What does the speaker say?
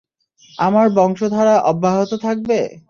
আমার বংশধারা অব্যাহত থাকবে!